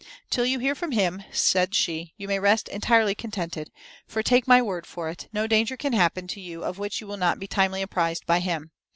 "Till you hear from him," said she, "you may rest entirely contented: for, take my word for it, no danger can happen to you of which you will not be timely apprized by him.